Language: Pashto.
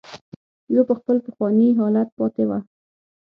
يوه په خپل پخواني حالت پاتې وه.